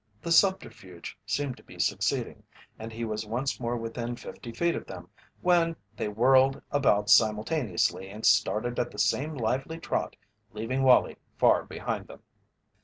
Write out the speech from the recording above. The subterfuge seemed to be succeeding, and he was once more within fifty feet of them when they whirled about simultaneously and started at the same lively trot, leaving Wallie far behind them.